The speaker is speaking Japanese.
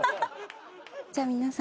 じゃあ皆さん。